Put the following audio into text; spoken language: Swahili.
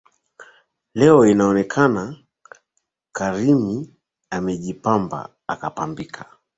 Leo inaonekana Karimi amejipamba akapambika.